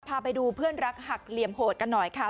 พาไปดูเพื่อนรักหักเหลี่ยมโหดกันหน่อยค่ะ